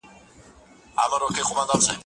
زه اجازه لرم چي لیکل وکړم!!